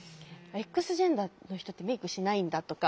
Ｘジェンダーの人ってメークしないんだとか。